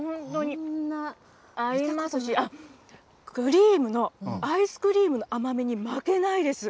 合いますし、クリームの、アイスクリームの甘みに負けないです。